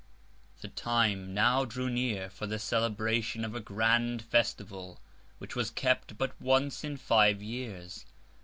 The Time now drew near for the Celebration of a grand Festival, which was kept but once in five Years.